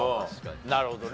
なるほどね。